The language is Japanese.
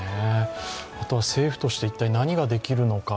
あとは政府として一体何ができるのか。